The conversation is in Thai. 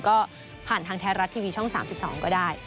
ก็ผ่านทางไทยรัฐทีวีช่อง๓๒ก็ได้